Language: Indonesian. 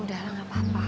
udah lah gak apa apa